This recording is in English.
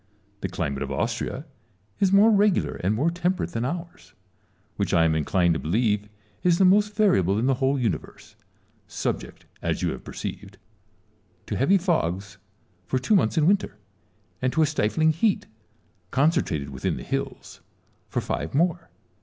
The ALFIERI AND SALOMON, 243 climate of Austria is more regular and more temperate than ours, which I am inclined to believe is the most variable in the whole universe, subject, as you have perceived, to heavy fogs for two months in winter, and to a stifling heat, con centrated within the hills, for five more.